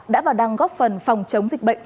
đã vào đăng góp phần phòng chống dịch bệnh